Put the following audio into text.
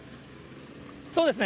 そうですね。